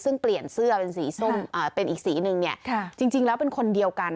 ซึ่งเปลี่ยนเสื้อเป็นสีส้มเป็นอีกสีหนึ่งเนี่ยจริงแล้วเป็นคนเดียวกัน